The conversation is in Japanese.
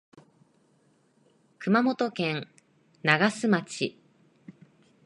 熊本県長洲町